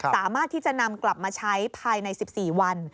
สามารถที่จะนำกลับมาใช้ภายใน๑๔วัน